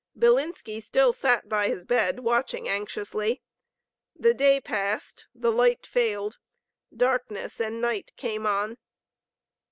Bilinski still sat by his bed, watching anxiously. The day passed, the light failed, darkness and night came on.